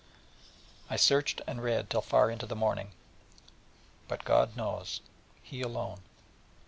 I searched and read till far into the morning. But God knows, He alone....